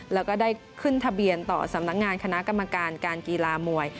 แล้วก็ได้ขึ้นทะเบียนต่อสำนักงานคณะกรรมการการกีฬามวย